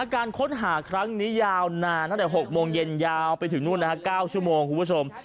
การค้นหาครั้งนี้ยาวนานตั้งแต่๖โมงเย็นยาวไปถึงนู่น๙ชั่วโมงคุณผู้ชม